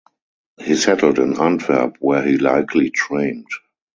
He settled in Antwerp where he likely trained.